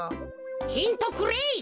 ヒントくれい！